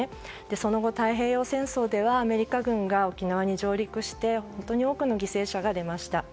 その後、太平洋戦争ではアメリカ軍が沖縄に上陸して本当に多くの犠牲者が出ました。